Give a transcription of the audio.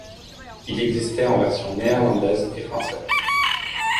Il existait en version néerlandaise et française.